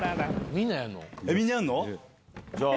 みんなやるの？